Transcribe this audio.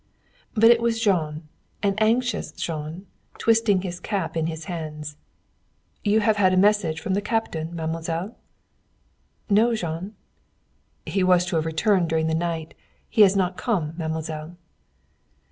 But it was Jean, an anxious Jean, twisting his cap in his hands. "You have had a message from the captain, mademoiselle?" "No, Jean." "He was to have returned during the night. He has not come, mademoiselle."